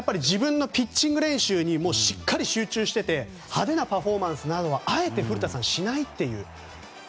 自分のピッチング練習にしっかり集中してて派手なパフォーマンスはあえて古田さん、しないという。